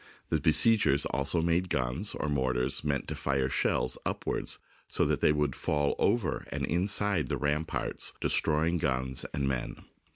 The besiegers also made guns, or mortars, meant to fire shells upward so that they would fall over and inside the ramparts, destroying guns and men.